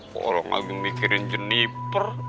kok orang agung mikirin jeniper